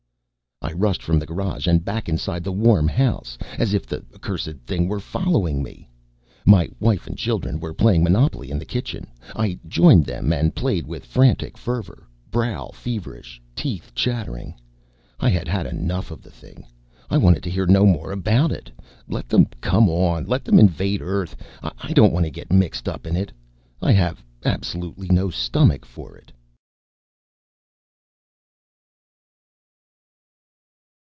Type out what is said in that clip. _ I rushed from the garage and back inside the warm house, as if the accursed things were following me. My wife and children were playing Monopoly in the kitchen. I joined them and played with frantic fervor, brow feverish, teeth chattering. I had had enough of the thing. I want to hear no more about it. Let them come on. Let them invade Earth. I don't want to get mixed up in it. I have absolutely no stomach for it.